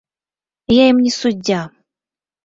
Я ім не суддзя.